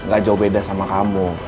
gak jauh beda sama kamu